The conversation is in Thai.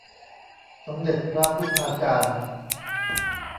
สมเด็จพระพุฒาจารย์